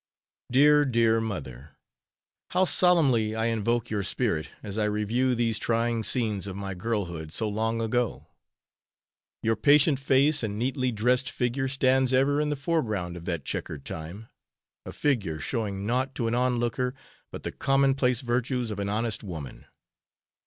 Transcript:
Dear, dear mother! how solemnly I invoke your spirit as I review these trying scenes of my girlhood, so long agone! Your patient face and neatly dressed figure stands ever in the foreground of that checkered time; a figure showing naught to an on looker but the common place virtues of an honest woman!